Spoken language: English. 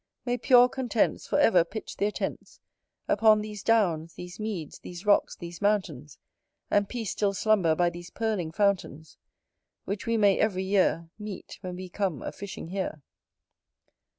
May pure contents For ever pitch their tents Upon these downs, these meads, these rocks, these mountains. And peace still slumber by these purling fountains: Which we may, every year, Meet when we come a fishing here.